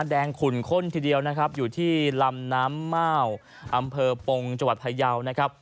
ขุ่นข้นทีเดียวนะครับอยู่ที่ลำน้ำเม่าอำเภอปงจังหวัดพยาวนะครับ